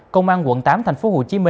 công an quận tám tp hcm